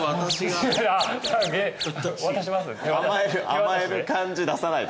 甘える感じ出さないで。